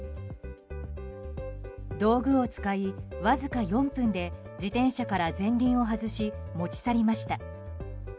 道具を使い、わずか４分で自転車から前輪を外し持ち去りました。